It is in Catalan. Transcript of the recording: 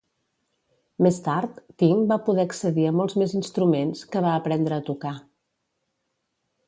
Més tard, Tyng va poder accedir a molts més instruments, que va aprendre a tocar.